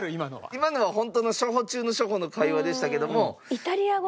今のはホントの初歩中の初歩の会話でしたけども。